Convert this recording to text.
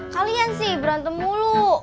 kalian sih berantem mulu